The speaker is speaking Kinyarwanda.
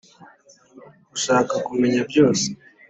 ushaka kumenya byose